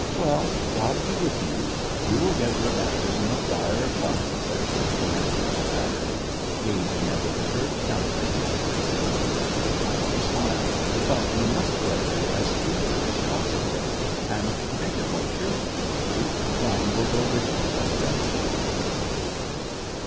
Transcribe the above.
" Well, God be with you. You will get your baptism of fire at once," said the commander of SEVASTOPOL IN AUGUST. 221 the battery, gazing at the perturbed countenance of the ensign with a kindly smile ;" but you must get there as speedily as possible. And, to make it more cheerful for you, Viang shall go with you as gun sergeant.